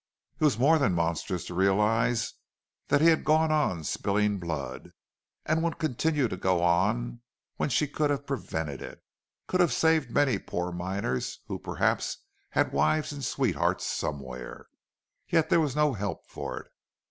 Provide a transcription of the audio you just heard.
It was more than monstrous to realize that he had gone on spilling blood and would continue to go on when she could have prevented it could have saved many poor miners who perhaps had wives or sweethearts somewhere. Yet there was no help for it.